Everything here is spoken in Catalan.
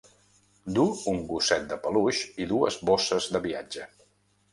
Du un gosset de peluix i dues bosses de viatge.